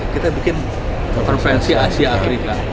kita bikin konferensi asia afrika